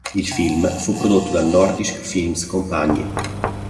Il film fu prodotto dal Nordisk Films Kompagni.